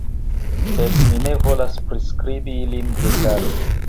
Sed mi ne volas priskribi ilin detale.